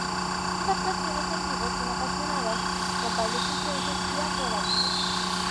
Sus actuaciones en vivo son apasionadas, con bailes intensos y acrobáticos.